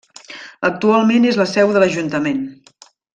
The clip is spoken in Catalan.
Actualment és la seu de l'Ajuntament.